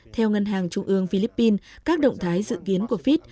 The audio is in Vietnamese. theo ngân hàng trung ương philippines các động thái dự kiến của fit